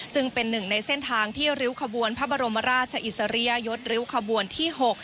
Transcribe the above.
ซึ่งเป็นหนึ่งในเส้นทางที่ริ้วขบวนพระบรมราชอิสริยยศริ้วขบวนที่๖